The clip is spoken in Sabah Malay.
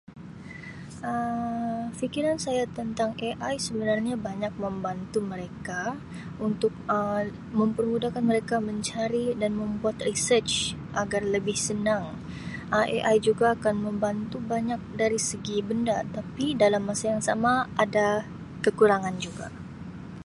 "Um Fikiran saya tentang ""AI"" sebenarnya banyak membantu mereka untuk Um mempermudahkan mereka mencari dan membuat ""research"" agar lebih senang. Um AI juga akan membantu banyak dari segi benda tapi dalam masa yang sama ada kekurangan juga."